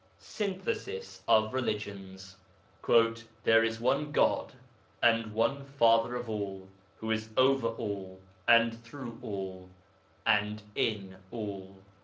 SYNTHESIS OF RELIGIONS 'There is one God and Father of all, who is over all, and through all, and in all.'